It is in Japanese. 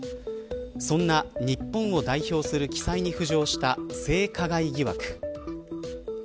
そんな日本を代表する鬼才に浮上した性加害疑惑。